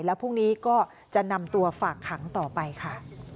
แล้วพรุ่งนี้ก็จะนำตัวฝากขังต่อไปค่ะ